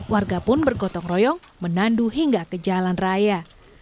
warga pun bergotong royong menandu hingga ke jalan raya